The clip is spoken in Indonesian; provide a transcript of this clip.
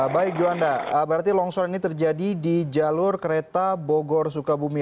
baik juanda berarti longsor ini terjadi di jalur kereta bogor sukabumi